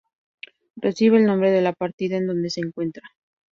Recibe el nombre de la partida en donde se encuentra.